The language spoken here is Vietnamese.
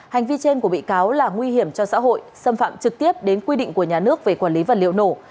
hành vi trên của bị cáo là nguy hiểm cho xã hội xâm phạm trực tiếp đến quy định của nhà nước về quản lý vật liệu nổ